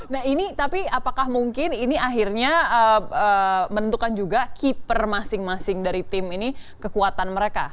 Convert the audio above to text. nah ini tapi apakah mungkin ini akhirnya menentukan juga keeper masing masing dari tim ini kekuatan mereka